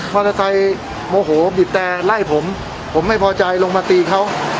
อเตอร์ไซค์โมโหบีบแต่ไล่ผมผมไม่พอใจลงมาตีเขา